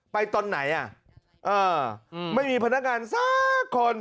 ตอนไหนอ่ะเออไม่มีพนักงานสักคน